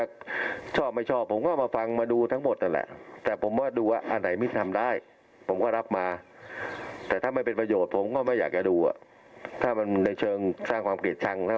เดี๋ยวฟังท่านนายกอีกทีนะจ๊ะ